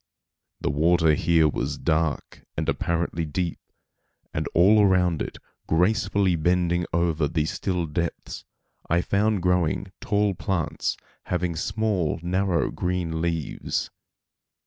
The water here was dark and apparently deep, and all around it, gracefully bending over the still depths, I found growing tall plants having small, narrow green leaves.